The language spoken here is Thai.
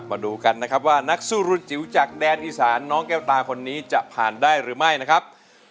มาดูกันนะครับว่านักสู้รุ่นจิ๋วจากแดนอีสานน้องแก้วตาคนนี้จะผ่านได้หรือไม่นะครับ